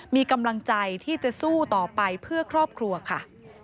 มีกำลังใจที่จะสู้ต่อไปเพื่อครอบครัวค่ะ